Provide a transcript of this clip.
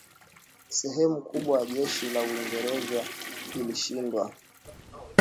sehemu kubwa ya jeshi la Uingereza ilishindwa